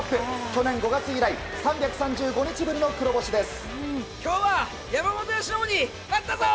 去年５月以来３３５日ぶりの黒星です。